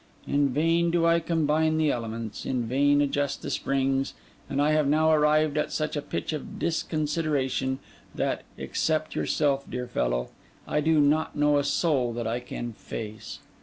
In vain do I combine the elements; in vain adjust the springs; and I have now arrived at such a pitch of disconsideration that (except yourself, dear fellow) I do not know a soul that I can face.